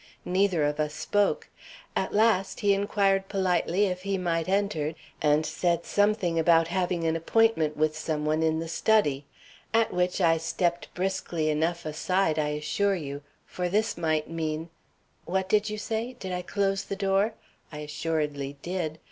Neither of us spoke. At last he inquired politely if he might enter, and said something about having an appointment with some one in the study. At which I stepped briskly enough aside, I assure you, for this might mean What did you say? Did I close the door? I assuredly did.